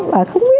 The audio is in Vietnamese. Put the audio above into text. bà thấy vui vui